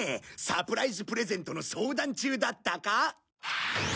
サプライズプレゼントの相談中だったか？